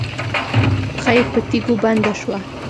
پښه یې په تيږو بنده شوه.